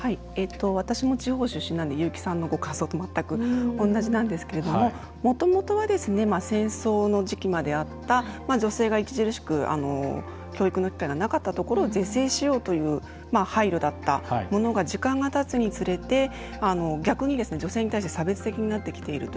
私も地方出身なので優木さんのご家族も全く同じなんですけれどももともとは戦争の時期まであった女性が著しく教育の機会がなかったところを是正しようという配慮だったものが時間がたつにつれて逆に女性に対して差別的になってきていると。